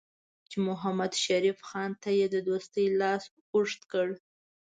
چې محمدشریف خان ته یې د دوستۍ لاس اوږد کړ.